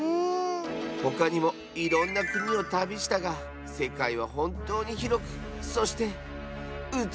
ほかにもいろんなくにをたびしたがせかいはほんとうにひろくそしてうつくしかった！